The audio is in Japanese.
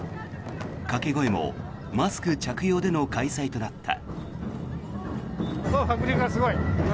掛け声もマスク着用での開催となった。